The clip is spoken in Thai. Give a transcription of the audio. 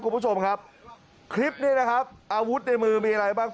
คุณผู้ชมครับคลิปนี้นะครับอาวุธในมือมีอะไรบ้าง